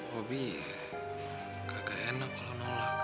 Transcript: hobi ya kakak enak kalau nolak